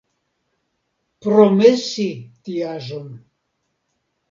Promesi tiaĵon !